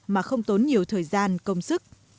mà không tốn nhiều thời gian công sức